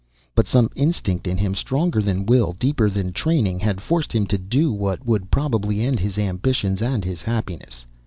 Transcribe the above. But some instinct in him, stronger than will, deeper than training, had forced him to do what would probably end his ambitions and his happiness.